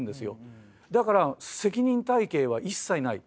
だから責任体系は一切ない。